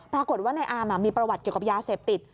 ปรากฏว่าในอามมีประวัติเกี่ยวกับยาเสพติด